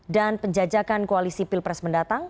dan penjajakan koalisi pilpres mendatang